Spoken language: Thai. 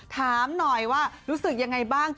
ถามหน่อยว่ารู้สึกยังไงบ้าง